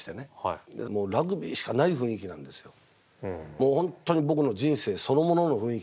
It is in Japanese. もう本当に僕の人生そのものの雰囲気